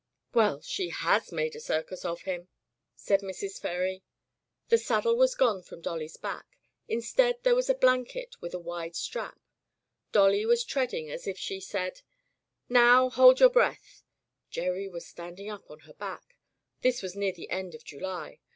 "Well, she has made a circus of him!'' said Mrs. Ferry. The saddle was gone from Dolly's back. Instead there was a blanket with a wide strap. Dolly was treading as if she said, "Now, hold your breath!" Gerry was stand ing up on her back. This was near the end of July.